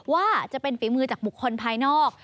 ว่าจะเป็นฝีมือจากบุคคลภายนอก